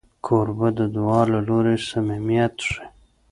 کوربه د دعا له لارې صمیمیت ښيي.